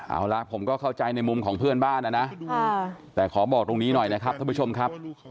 เอาล่ะผมก็เข้าใจในมุมของเพื่อนบ้านนะนะแต่ขอบอกตรงนี้หน่อยนะครับท่านผู้ชมครับ